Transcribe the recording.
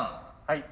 はい。